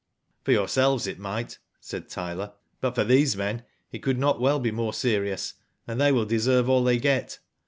"For yourselves it might," said Tyler, "but for these men it could not well be more serious, and they will deserve all they get."